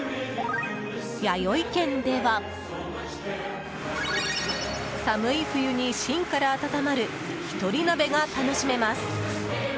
やよい軒では寒い冬に芯から温まる一人鍋が楽しめます！